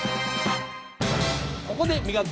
ここで磨く